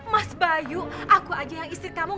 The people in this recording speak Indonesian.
mas bayu aku aja yang istri kamu